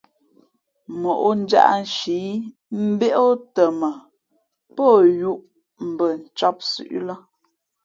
Mǒʼ njanshǐ mbéʼ ó tα mα pά o yūʼ mbα cām sʉ̄ʼ lᾱ.